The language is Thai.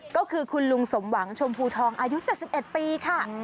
ก็คือคุณลุงสมหวังชมพูทองอายุ๗๑ปีค่ะ